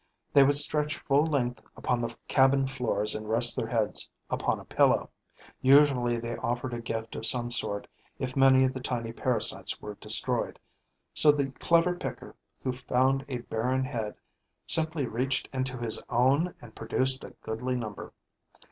They would stretch full length upon the cabin floors and rest their heads upon a pillow. Usually they offered a gift of some sort if many of the tiny parasites were destroyed, so the clever picker who found a barren head simply reached into his own and produced a goodly number.